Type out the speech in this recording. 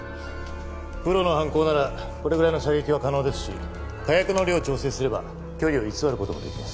プロの犯行ならこれぐらいの射撃は可能ですし火薬の量を調整すれば距離を偽る事もできます。